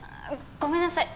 ごめんなさい。